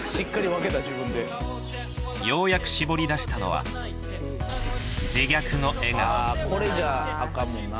ようやく絞り出したのは、自虐の笑顔。